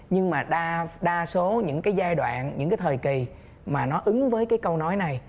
nhưng mà đa số những cái giai đoạn những cái thời kỳ mà nó ứng với cái câu nói này